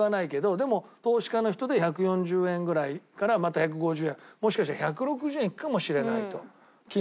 でも投資家の人で１４０円ぐらいからまた１５０円もしかしたら１６０円いくかもしれないと。